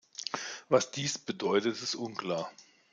Was dies bedeutet, ist unklar.